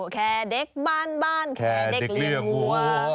แคเด็กบ้านแคเด็กเลี้ยงวัว